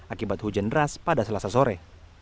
akibat hujan deras pada selasa sore